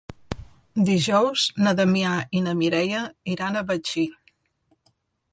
Dijous na Damià i na Mireia iran a Betxí.